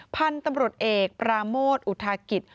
พันธุ์ตำรวจเอกปราโมทอุทากิจ